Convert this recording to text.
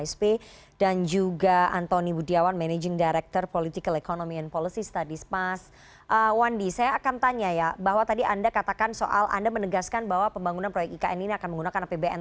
saya akan tanya ya bahwa tadi anda katakan soal anda menegaskan bahwa pembangunan proyek ikn ini akan menggunakan apbn